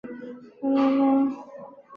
紫花橐吾是菊科橐吾属的植物。